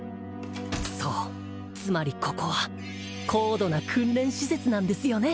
そうつまりここは高度な訓練施設なんですよね？